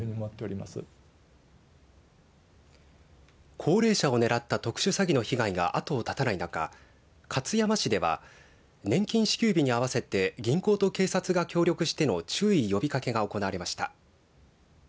高齢者をねらった特殊詐欺の被害が後を絶たない中勝山市では年金支給日に合わせて銀行と警察が協力しての注意呼びかけが行われました。